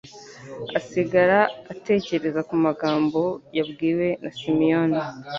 asigara atekereza ku magambo yabwiwe na Simiyoni